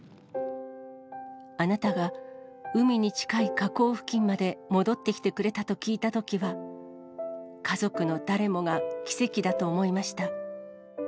あなたが海に近い河口付近まで戻ってきてくれたと聞いたときは、家族の誰もが奇跡だと思いました。